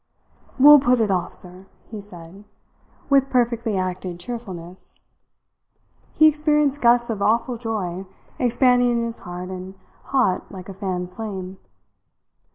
"We'll pull it off, sir," he said, with perfectly acted cheerfulness. He experienced gusts of awful joy expanding in his heart and hot like a fanned flame.